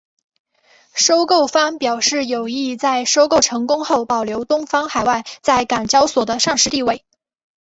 收购方表示有意在收购成功后保留东方海外在港交所的上市地位。